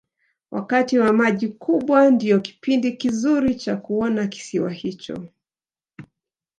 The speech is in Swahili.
wakati wa maji kupwa ndiyo kipindi kizuri cha kuona kisiwa hicho